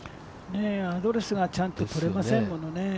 アドレスがちゃんととれませんもんね。